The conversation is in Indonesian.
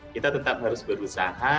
kita tetap harus berusaha